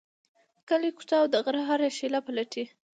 کلی، کوڅه او د غره هره شیله پلټي.